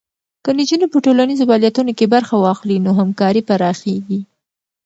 که نجونې په ټولنیزو فعالیتونو کې برخه واخلي، نو همکاري پراخېږي.